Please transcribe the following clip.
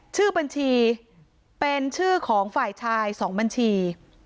ชื่อบัญชีเป็นชื่อของฝ่ายชาย๒บัญชี